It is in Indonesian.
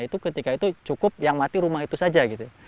itu ketika itu cukup yang mati rumah itu saja gitu